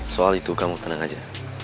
soal itu kamu tenang aja